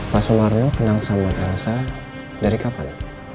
pak sumarno kenal sama elsa dari kapan